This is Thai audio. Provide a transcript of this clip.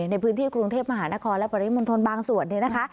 ในพื้นที่กรุงเทพมหานครและปริมณฑลบางส่วนเนี่ยนะคะ